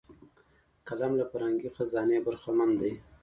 قلم له فرهنګي خزانې برخمن دی